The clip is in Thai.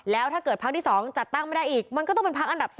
แล้วถ้าเกิดพักที่๒จัดตั้งไม่ได้อีกมันก็ต้องเป็นพักอันดับ๒